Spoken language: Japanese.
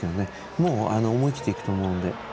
もう思い切っていくと思うので。